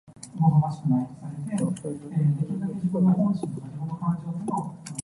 你明顯唔喺度專心上堂啦